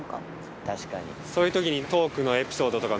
そういう時に。